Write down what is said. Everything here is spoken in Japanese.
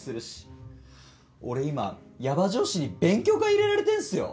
俺今ヤバ上司に勉強会入れられてんすよ。